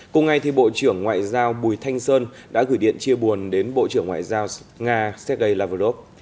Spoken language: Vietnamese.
cùng ngày bộ trưởng ngoại giao bùi thanh sơn đã gửi điện chia buồn đến bộ trưởng ngoại giao nga sergei lavrov